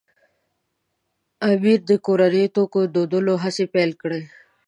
امیر د کورنیو توکو دودولو هڅې پیل کړې.